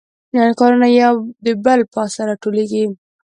کارونه یو د بل پاسه راټولیږي